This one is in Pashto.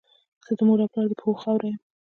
زه د مور او پلار د پښو خاوره یم.